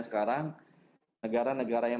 sekarang negara negara yang